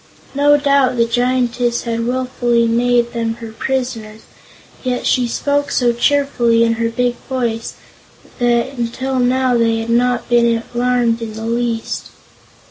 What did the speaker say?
No doubt the Giantess had wilfully made them her prisoners; yet she spoke so cheerfully, in her big voice, that until now they had not been alarmed in the least.